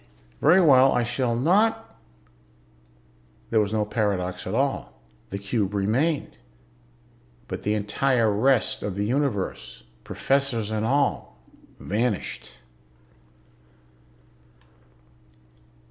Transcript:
Very well, I shall not ..." There was no paradox at all. The cube remained. But the entire rest of the Universe, professors and all, vanished.